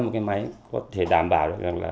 một máy có thể đảm bảo